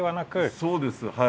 そうですはい。